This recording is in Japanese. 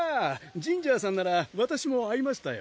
ジンジャーさんならわたしも会いましたよ